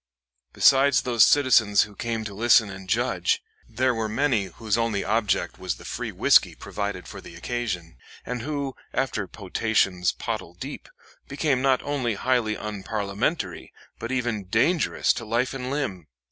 Besides those citizens who came to listen and judge, there were many whose only object was the free whisky provided for the occasion, and who, after potations pottle deep, became not only highly unparliamentary but even dangerous to life and limb.